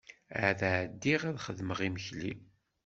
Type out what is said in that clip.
Ad ɛeddiɣ ad xedmeɣ imekli.